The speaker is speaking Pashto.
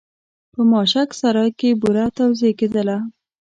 په ماشک سرای کې بوره توزېع کېدله.